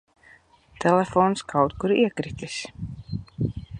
Telefons kaut kur iekritis.